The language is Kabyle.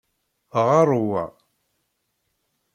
Ɣeṛ wa!